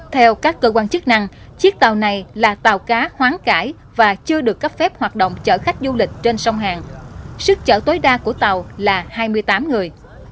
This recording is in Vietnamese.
theo các cơ quan chức năng chiếc tàu này là tàu cá hoán cải và chưa được cấp phép hoạt động chở khách du lịch trên sông hàn sức chở tối đa của tàu là hai mươi tám người